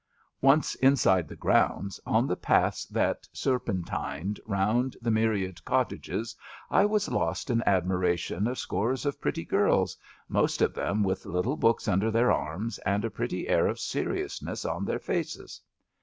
Once inside the grounds on the paths that ser pentined round the myriad cottages I was lost in admiration of scores of pretty girls, most of them with little books under their arms, and a pretty air of seriousness on their faces.